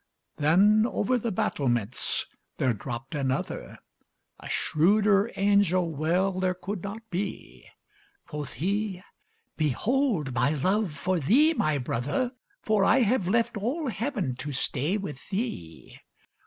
Then over the battlements there dropped another. (A shrewder angel well there could not be.) Quoth he: "Behold my love for thee, my brother, For I have left all heaven to stay with thee.